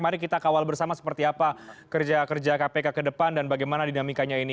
mari kita kawal bersama seperti apa kerja kerja kpk ke depan dan bagaimana dinamikanya ini